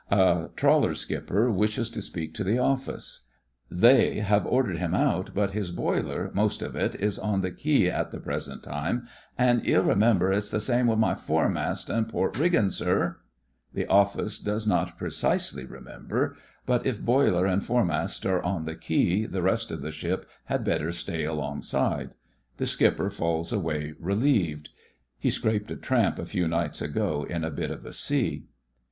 A trawler skipper wishes to speak to the Office, "They" have ordered him out, but his boiler, most of it, is on the quay at the present time, and "ye'll remember, it's the same wi' my foremast an' port rig 32 THE FRINGES OF THE FLEET ging, sir." The OflBce does not pre cisely remember, but if boiler and foremast are on the quay the rest of the ship had better stay alongside. The skipper falls away relieved. (He scraped a tramp a few nights ago in a bit of a sea.)